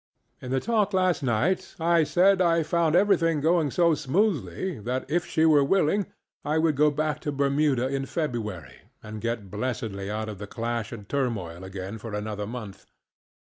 In the talk last night I said I found everything going so smoothly that if she were willing I would go back to Bermuda in February and get blessedly out of the clash and turmoil again for another month.